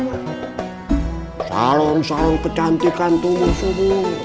oh iya oke yang satu dua ratus dua dip sytuasikan di orchestra